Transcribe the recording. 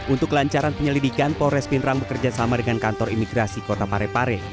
untuk kelancaran penyelidikan polres pindrang bekerja sama dengan kantor imigrasi kota parepare